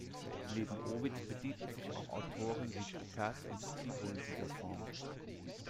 Neben Ovid bedienten sich auch Autoren wie Properz und Tibull dieser Form.